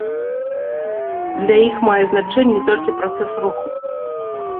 Для іх мае значэнне толькі працэс руху.